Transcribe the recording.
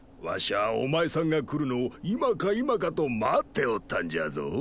わしゃお前さんが来るのを今か今かと待っておったんじゃぞ。